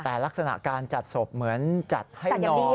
แต่ลักษณะการจัดศพเหมือนจัดให้นอน